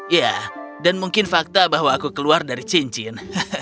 ya dan mungkin fakta bahwa aku keluar dari cincin